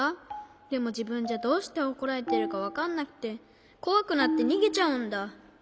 でもじぶんじゃどうしておこられてるかわかんなくてこわくなってにげちゃうんだ。